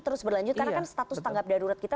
terus berlanjut karena kan status tanggap darurat kita